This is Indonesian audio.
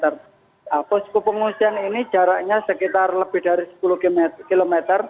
nah posko pengungsian ini jaraknya sekitar lebih dari sepuluh km